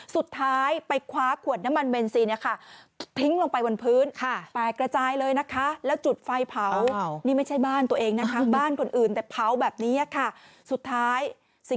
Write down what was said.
สุดท้ายไปคว้างขวดน้ำมันเมลนซี